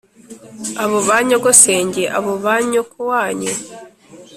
abo ba nyogosenge abo ba nyokowanyu